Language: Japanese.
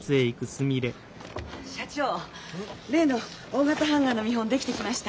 社長例の大型ハンガーの見本出来てきました。